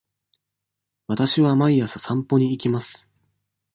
わたしは毎朝散歩に行きます。